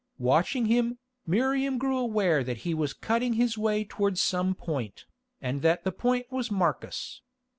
Watching him, Miriam grew aware that he was cutting his way towards some point, and that the point was Marcus.